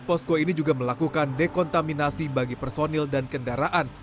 posko ini juga melakukan dekontaminasi bagi personil dan kendaraan